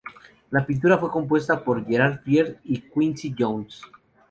La partitura fue compuesta por Gerald Fried y Quincy Jones.